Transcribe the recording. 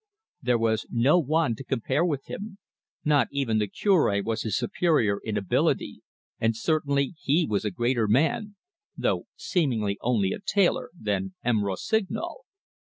There was no one to compare with him. Not even the Cure was his superior in ability, and certainly he was a greater man though seemingly only a tailor than M. Rossignol.